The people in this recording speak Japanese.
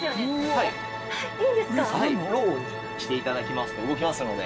はいローにしていただきますと動きますので。